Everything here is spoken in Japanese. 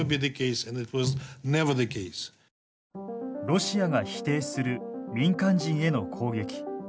ロシアが否定する民間人への攻撃。